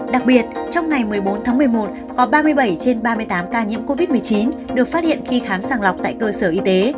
đặc biệt trong ngày một mươi bốn tháng một mươi một có ba mươi bảy trên ba mươi tám ca nhiễm covid một mươi chín được phát hiện khi khám sàng lọc tại cơ sở y tế